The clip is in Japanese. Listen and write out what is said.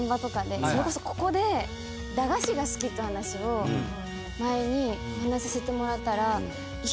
それこそここで駄菓子が好きって話を前にお話しさせてもらったら一気にすごい反響がありまして。